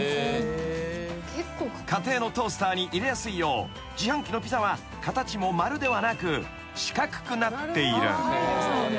［家庭のトースターに入れやすいよう自販機のピザは形も丸ではなく四角くなっている］